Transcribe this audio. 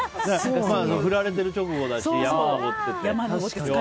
振られてる直後だし山に登ってて。